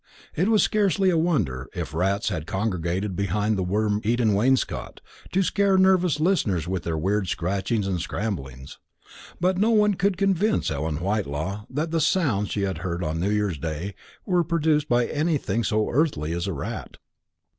It was scarcely any wonder if rats had congregated behind the worm eaten wainscot, to scare nervous listeners with their weird scratchings and scramblings. But no one could convince Ellen Whitelaw that the sounds she had heard on new year's day were produced by anything so earthly as a rat.